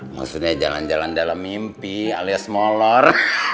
maksudnya jalan jalan dalam mimpi alias molor